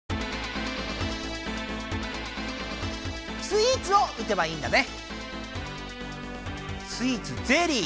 スイーツを撃てばいいんだね。